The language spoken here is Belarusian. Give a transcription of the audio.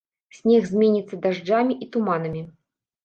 Снег зменіцца дажджамі і туманамі.